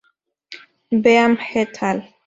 Baum "et al.